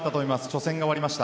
初戦が終わりました。